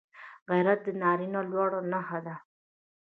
غیرت د نارینه لوړه نښه ده